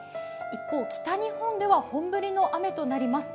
一方、北日本では本降りの雨となります。